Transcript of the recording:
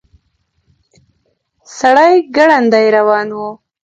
سړی ګړندي روان و.